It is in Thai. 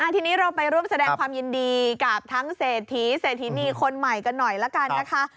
ทีนี้เราไปร่วมแสดงความยินดีกับทั้งเศรษฐีเศรษฐินีคนใหม่กันหน่อยละกันนะคะ